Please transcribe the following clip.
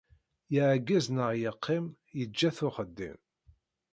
Yeɛgez neɣ yeqqim, yerǧa-t uxeddim.